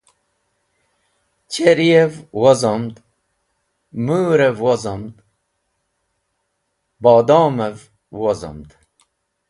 Cherri’ev (gilosev) wozomd, mũrev wozomd, bodomev wozomd.